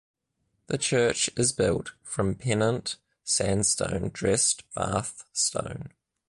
The church is built from Pennant sandstone dressed Bath stone.